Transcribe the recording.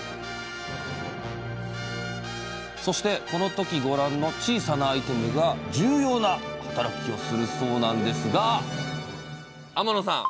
そしてこの時ご覧の小さなアイテムが重要な働きをするそうなんですが⁉天野さん！